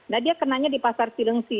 nah dia kenanya di pasar cilengsi